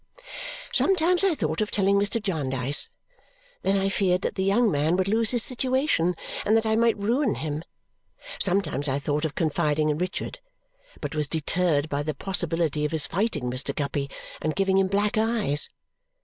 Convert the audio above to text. Sometimes I thought of telling Mr. Jarndyce. Then I feared that the young man would lose his situation and that I might ruin him. Sometimes I thought of confiding in Richard, but was deterred by the possibility of his fighting Mr. Guppy and giving him black eyes.